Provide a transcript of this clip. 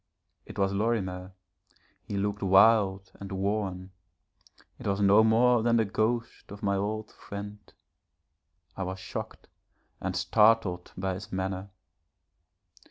It was Lorimer, he looked wild and worn; it was no more than the ghost of my old friend. I was shocked and startled by his manner.